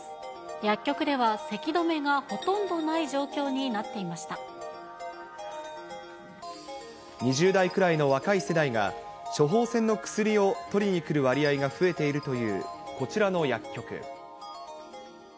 薬局ではせき止めがほとんど２０代くらいの若い世代が、処方箋の薬を取りに来る割合が増えているというこちらの薬局。